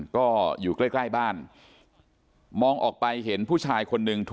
ก็อยู่ใกล้ใกล้บ้านมองออกไปเห็นผู้ชายคนหนึ่ง